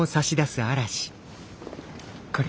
これ。